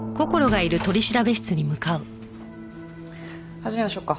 始めましょうか。